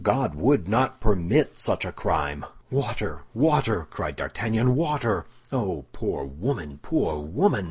God would not permit such a crime!" "Water, water!" cried D'Artagnan. "Water!" "Oh, poor woman, poor woman!"